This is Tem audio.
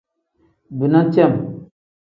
Bina cem.